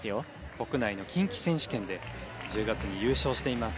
国内の近畿選手権で１０月に優勝しています。